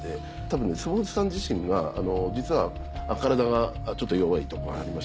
多分坪内さん自身が実は体がちょっと弱いところありまして。